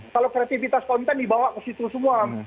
kalau kreativitas konten dibawa ke situ semua